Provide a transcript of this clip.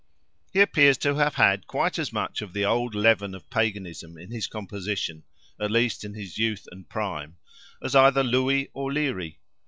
He appears to have had quite as much of the old leaven of Paganism in his composition—at least in his youth and prime—as either Lewy or Leary.